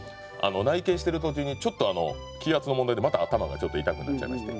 内見してる途中にちょっと気圧の問題でまた頭がちょっと痛くなっちゃいまして。